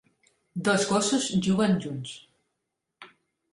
Dos gossos juguen junts.